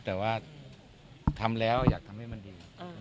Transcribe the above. แต่ว่าทำแล้วอยากทำให้มันดี